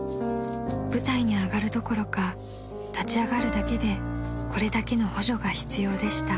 ［舞台に上がるどころか立ち上がるだけでこれだけの補助が必要でした］